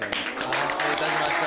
完成いたしました。